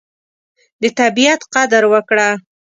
د طبیعت قدر وکړه.